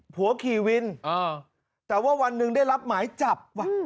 ผัวขี่วินแต่ว่าวันหนึ่งได้รับหมายจับว่ะ